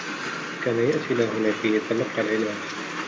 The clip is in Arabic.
كان يأتي إلى هنا كي يتلقّ العلاج.